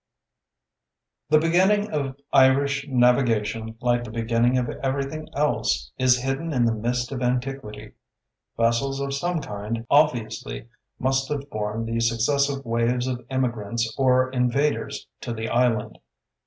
The beginning of Irish navigation, like the beginning of everything else, is hidden in the mist of antiquity. Vessels of some kind obviously must have borne the successive waves of immigrants or invaders to the island.